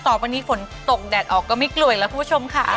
วันนี้ฝนตกแดดออกก็ไม่กล่วยแล้วคุณผู้ชมค่ะ